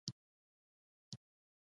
اې زما ربه، زما پوهه زياته کړه.